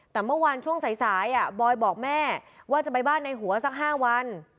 แต่เมื่อวานช่วงสายบอยบอกแม่ว่าจะไปบ้านในหัวสัก๕วัน